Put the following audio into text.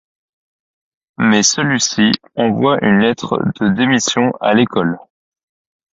Mais celui-ci envoie une lettre de démission à l'école.